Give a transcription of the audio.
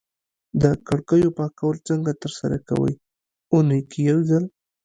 د کړکیو پاکول څنګه ترسره کوی؟ اونۍ کی یوځل